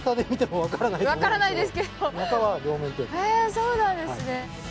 そうなんですね。